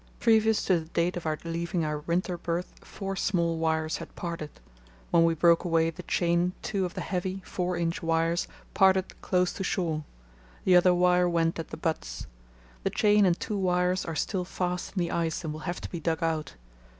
Previous to the date of our leaving our winter berth four small wires had parted. When we broke away the chain two of the heavy (4 in.) wires parted close to shore; the other wire went at the butts. The chain and two wires are still fast in the ice and will have to be dug out.